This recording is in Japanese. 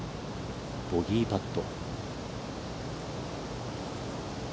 ボギーパット。